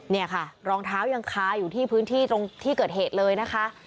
เนี่ยค่ะรองเท้ายังคาอยู่ที่พื้นที่ตรงที่เกิดเหตุเลยนะคะ